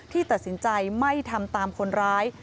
ตัดสินใจไม่ทำตามคนร้าย